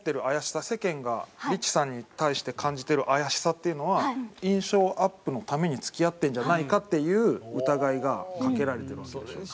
世間がリチさんに対して感じてる怪しさっていうのは印象アップのために付き合ってるんじゃないかっていう疑いがかけられてますよね。